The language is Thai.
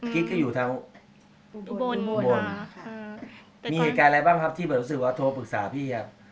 มีเหตุการณ์อะไรบ้างครับที่เจอกับความเจอกับแล้ว